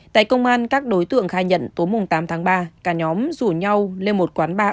tại công an các đối tượng khai nhận tối tám tháng ba cả nhóm rủ nhau lên một quán bar